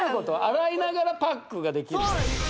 洗いながらパックができる？